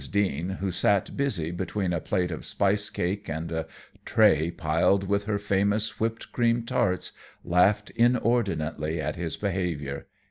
Deane, who sat busy between a plate of spice cake and a tray piled with her famous whipped cream tarts, laughed inordinately at his behavior.